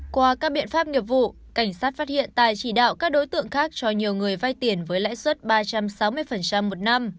qua các biện pháp nghiệp vụ cảnh sát phát hiện tài chỉ đạo các đối tượng khác cho nhiều người vay tiền với lãi suất ba trăm sáu mươi một năm